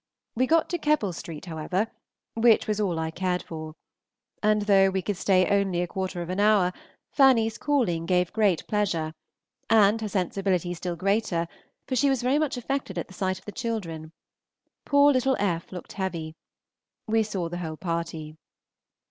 We got to Keppel St., however, which was all I cared for; and though we could stay only a quarter of an hour, Fanny's calling gave great pleasure, and her sensibility still greater, for she was very much affected at the sight of the children. Poor little F. looked heavy. We saw the whole party.